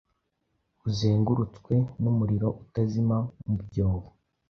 buzengurutswe numuriro utazima, Mubyobo,